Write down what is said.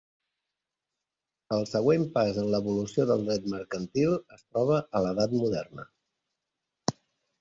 El següent pas en l'evolució del dret mercantil es troba a l'edat moderna.